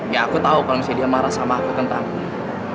ya aku tahu kalau misalnya dia marah sama aku tentangku